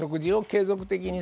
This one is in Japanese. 継続的に